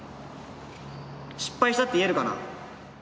失敗したっていえるかな。